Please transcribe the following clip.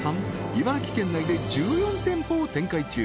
茨城県内で１４店舗を展開中